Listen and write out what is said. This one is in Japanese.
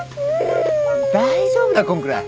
大丈夫だこんくらい。